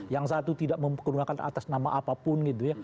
yang satu tidak menggunakan atas nama apapun gitu ya